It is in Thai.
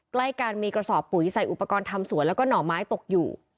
ใกล้กันมีกระสอบปุ๋ยใส่อุปกรณ์ทำสวนแล้วก็หน่อไม้ตกอยู่